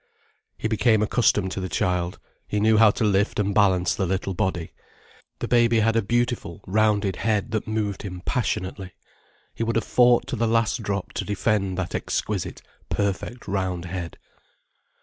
He became accustomed to the child, he knew how to lift and balance the little body. The baby had a beautiful, rounded head that moved him passionately. He would have fought to the last drop to defend that exquisite, perfect round head.